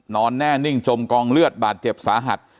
นอนแน่นิ่งจมกองเลือดบาดเจ็บสาหัส